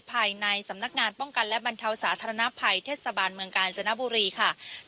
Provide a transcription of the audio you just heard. ภายในสำนักงานป้องกันและบรรเทาสาธารณภัยเทศบาลเมืองกาญจนบุรีค่ะ